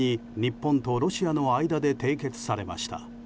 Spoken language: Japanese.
１９９８年に日本とロシアの間で締結されました。